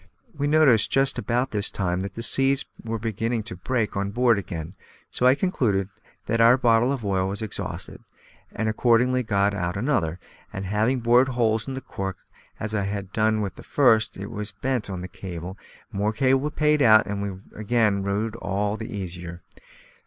We noticed just about this time that the seas were beginning to break on board again, so I concluded that our bottle of oil was exhausted, and accordingly got out another, and having bored holes in the cork, as I had done with the first, it was bent on to the cable, more cable paid out, and we again rode all the easier.